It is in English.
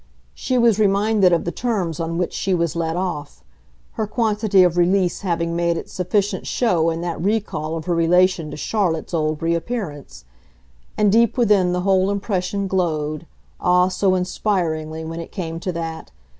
She was reminded of the terms on which she was let off her quantity of release having made its sufficient show in that recall of her relation to Charlotte's old reappearance; and deep within the whole impression glowed ah, so inspiringly when it came to that!